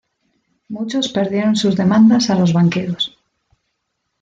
Muchos perdieron sus demandas a los banqueros.